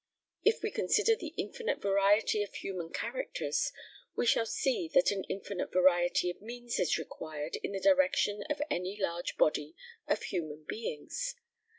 If we consider the infinite variety of human characters, we shall see that an infinite variety of means is required in the direction of any large body of human beings.